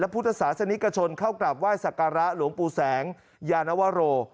พุทธศาสนิกชนเข้ากราบไหว้สักการะหลวงปู่แสงยานวโร